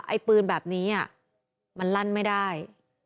ไอ้ปืนแบบนี้มันลั่นไม่ได้